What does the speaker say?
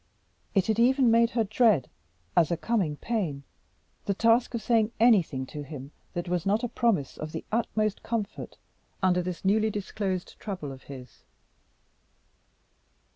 It had even made her dread, as a coming pain, the task of saying anything to him that was not a promise of the utmost comfort under this newly disclosed trouble of his.